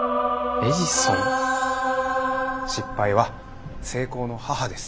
「失敗は成功の母」です。